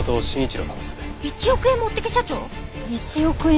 「一億円持ってけ社長」？